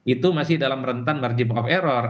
itu masih dalam rentan margin of error